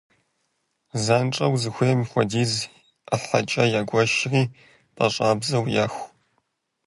Занщӏэу зыхуейм хуэдиз ӏыхьэкӏэ ягуэшри пӏащӏабзэу яху.